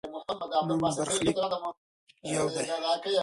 زموږ برخلیک یو دی.